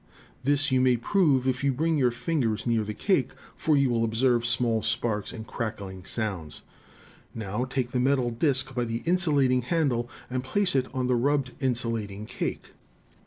This you may prove if you bring your finger near the cake, for you will observe small sparks and crackling sounds. Now take the metal disk by the insulating handle and place it on the rubbed insulating cake.